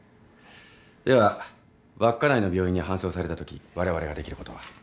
では稚内の病院に搬送されたときわれわれができることは？